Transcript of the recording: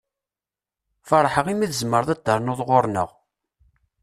Feṛḥeɣ i mi tzemreḍ ad d-ternuḍ ɣuṛ-nneɣ.